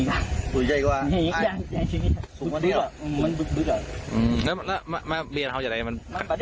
นี่ฮะตำรวจบอกโอ้โหอย่างนี้ภายสังคม